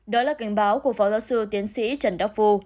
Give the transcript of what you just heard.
đó là cảnh báo của phó giáo sư tiến sĩ trần đắc phu